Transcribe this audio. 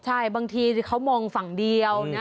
ใช่บางทีเขามองฝั่งเดียวนะ